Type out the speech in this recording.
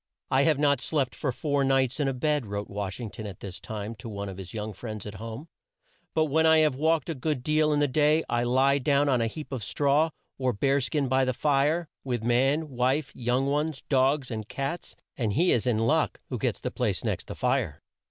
"I have not slept for four nights in a bed," wrote Wash ing ton at this time to one of his young friends at home, "but when I have walked a good deal in the day, I lie down on a heap of straw, or a bear skin by the fire, with man, wife, young ones, dogs, and cats; and he is in luck who gets the place next the fire."